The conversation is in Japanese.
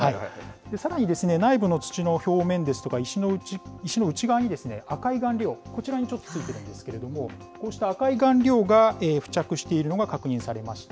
さらにですね、内部の土の表面ですとか石の内側に、赤い顔料、こちらにちょっとついてるんですけれども、こうした赤い顔料が付着しているのが確認されました。